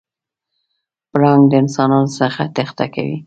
پړانګ د انسانانو څخه تېښته کوي.